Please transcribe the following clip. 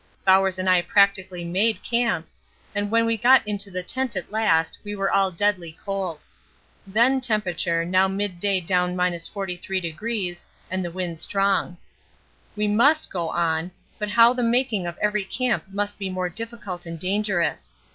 Bowers and I practically made camp, and when we got into the tent at last we were all deadly cold. Then temp, now midday down 43° and the wind strong. We must go on, but now the making of every camp must be more difficult and dangerous.